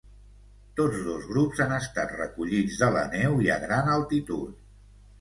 Tots dos grups han estat recollits de la neu i a gran altitud.